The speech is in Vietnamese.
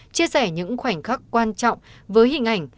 chia sẻ những khoảnh khắc quan trọng với hình ảnh